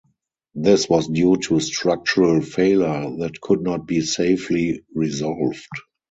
This was due to structural failure that could not be safely resolved.